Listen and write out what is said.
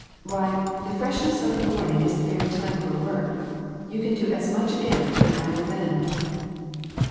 Why, the freshness of the morning is the very time for work. You can do as much again in an hour then."